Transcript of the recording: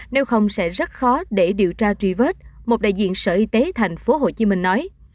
nếu không sẽ rất khó để điều tra truy vết một đại diện sở y tế thành phố hồ chí minh nói